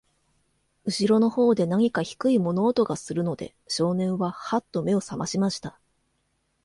後ろの方で、なにか低い物音がするので、少年は、はっと目を覚ましました。